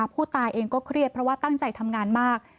ผู้ตายเองก็เครียดเพราะว่าตั้งใจทำงานมาก